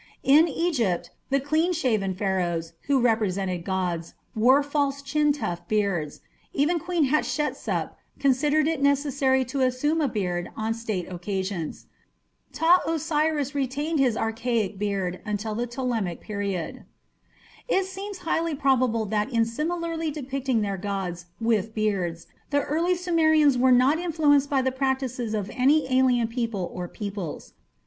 In Egypt the clean shaven Pharaohs, who represented gods, wore false chin tuft beards; even Queen Hatshepsut considered it necessary to assume a beard on state occasions. Ptah Osiris retained his archaic beard until the Ptolemaic period. It seems highly probable that in similarly depicting their gods with beards, the early Sumerians were not influenced by the practices of any alien people or peoples.